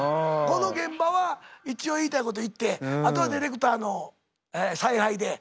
この現場は一応言いたいこと言ってあとはディレクターの采配で。